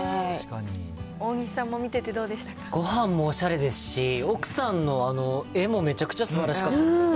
大西さんも見ててどうでしたごはんもおしゃれですし、奥さんのあの絵もめちゃくちゃすばらしかった。